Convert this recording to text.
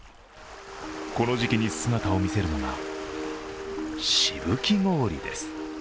この時期に姿を見せるのがしぶき氷です。